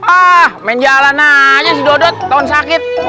ah main jalan aja si dodot tahun sakit